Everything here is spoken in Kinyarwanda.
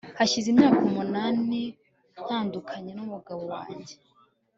hashize imyaka umunani ntandukanye n'umugabo wanjye